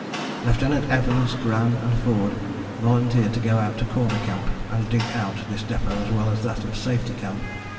Lieutenant Evans, Gran and Forde volunteered to go out to Corner Camp and dig out this depôt as well as that of Safety Camp.